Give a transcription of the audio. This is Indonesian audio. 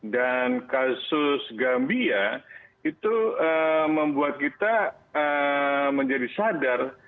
dan kasus gambia itu membuat kita menjadi sadar